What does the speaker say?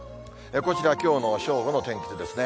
こちらはきょうの正午の天気図ですね。